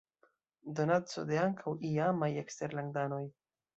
Donaco de ankaŭ iamaj eksterlandanoj.